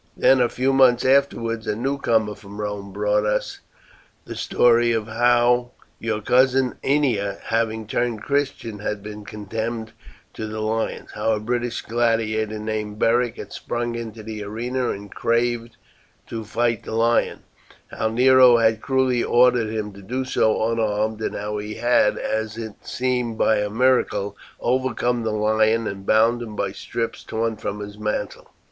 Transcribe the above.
Then a few months afterwards a newcomer from Rome brought us the story of how your cousin Ennia, having turned Christian, had been condemned to the lions; how a British gladiator named Beric had sprung into the arena and craved to fight the lion; how Nero had cruelly ordered him to do so unarmed; and how he had, as it seemed by a miracle, overcome the lion and bound him by strips torn from his mantle.